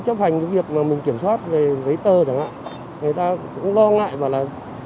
chấp hành cái việc mà mình kiểm soát về giấy tờ chẳng hạn người ta cũng lo ngại bảo là